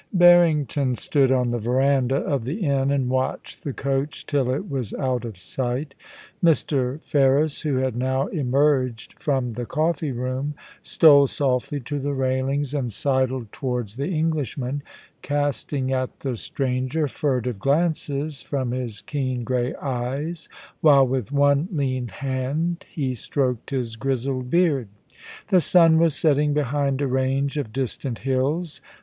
Barrington Stood on the verandah of the inn and watched the coach till it was out of sight Mr. Ferris, who had now emerged from the coffee room, stole softly to the railings and sidled towards the Englishman, casting at the stranger fur tive glances from his keen grey eyes, while with one lean hand he stroked his grizzled beard. The sun was setting behind a range of distant hills.